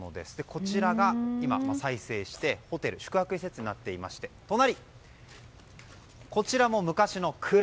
こちらが今、再生してホテル宿泊施設になっていまして隣、こちらも昔の蔵。